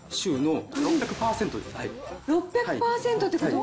６００％っていうことは。